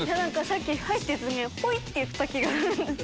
さっき「はい」って言った時に「ほい」って言った気がするんです。